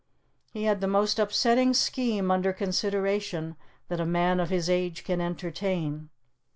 He had the most upsetting scheme under consideration that a man of his age can entertain.